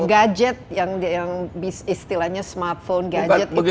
gadget yang istilahnya smartphone gadget itu